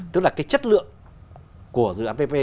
tức là cái chất lượng của dự án ppp